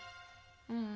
うん。